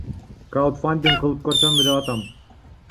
Краудфандинг кылып көрсөмбү деп атам.